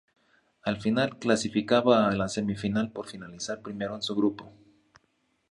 Al final, clasificaba a la semifinal por finalizar primero en su grupo.